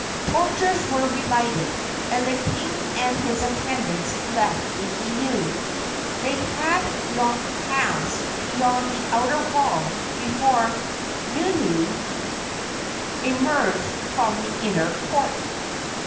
Torches were relighted, and the king and his attendants left the heiau. They had not passed beyond the outer wall before Nunu emerged from the inner court.